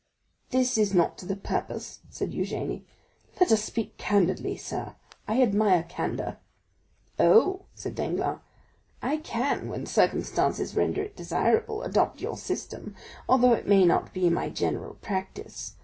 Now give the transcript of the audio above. "This is not to the purpose," said Eugénie; "let us speak candidly, sir; I admire candor." "Oh," said Danglars, "I can, when circumstances render it desirable, adopt your system, although it may not be my general practice.